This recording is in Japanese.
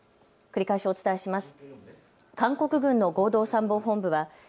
繰り返しお伝えします。